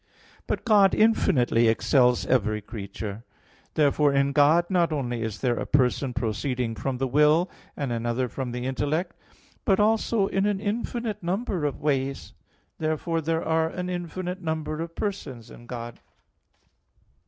But God infinitely excels every creature. Therefore in God not only is there a person proceeding from the will, and another from the intellect, but also in an infinite number of ways. Therefore there are an infinite number of persons in God.